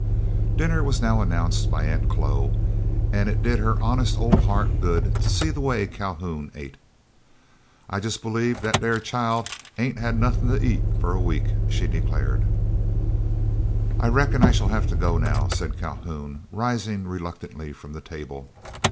Dinner was now announced by Aunt Chloe, and it did her honest old heart good to see the way that Calhoun ate. "I jes' believe dat air chile hab had nuthin' to eat fo' a week," she declared. "I reckon I shall have to go now," said Calhoun, rising reluctantly from the table.